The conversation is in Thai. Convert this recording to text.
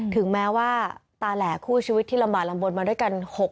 ถึงแม้ว่าตาแหล่คู่ชีวิตที่ลำบากลำบลมาด้วยกัน